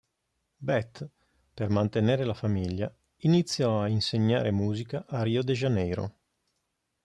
Beth, per mantenere la famiglia, iniziò a insegnare musica a Rio de Janeiro.